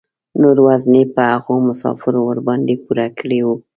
نور وزن یې په هغو مسافرو ورباندې پوره کړی و.